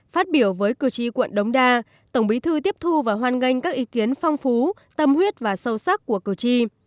phát biểu với cử tri quận đống đa tổng bí thư tiếp thu và hoan nghênh các ý kiến phong phú tâm huyết và sâu sắc của cử tri